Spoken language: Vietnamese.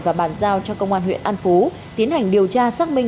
và bàn giao cho công an huyện an phú tiến hành điều tra xác minh